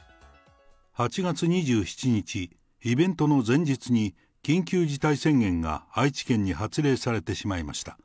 ８月２７日、イベントの前日に緊急事態宣言が愛知県に発令されてしまいました。